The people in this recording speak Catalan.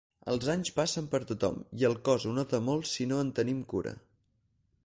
Els anys passen per tothom i el cos ho nota molt si no en tenim cura.